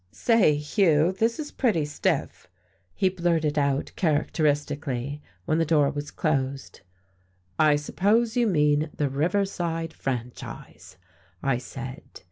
"Say, Hugh, this is pretty stiff," he blurted out characteristically, when the door was closed. "I suppose you mean the Riverside Franchise," I said.